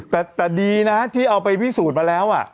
แต่ดีนะที่เอาไปพี่สูญมาแล้วอะ